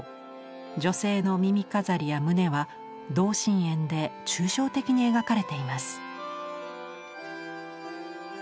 女性の耳飾りや胸は同心円で抽象的に描かれています。